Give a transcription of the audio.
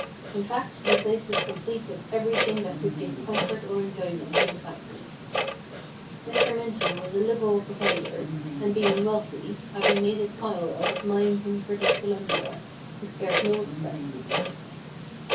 In fact, the place was complete with everything that could give comfort or enjoyment to the family. Mr. Minton was a liberal provider, and being wealthy — having made his pile out of mines in British Columbia — he spared no expense.